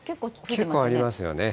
結構ありますよね。